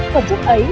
phần chức ấy